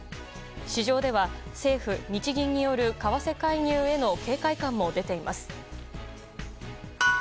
市場では政府・日銀による為替介入への警戒感も出ています。